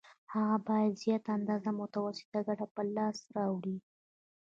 هغه باید زیاته اندازه متوسطه ګټه په لاس راوړي